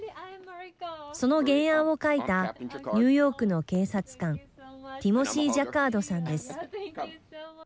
その原案を書いたニューヨークの警察官ティモシー・ジャカードさんです。